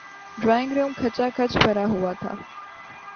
Drawing room کھچا کھچ بھرا ہوا تھا۔